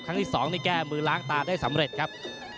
ครั้งที่๒นี่แก้มือล้างตาได้สำเร็จครับ